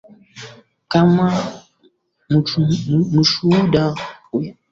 kama mshuhuda mkuu juu ya maisha na mafundisho ya Yesu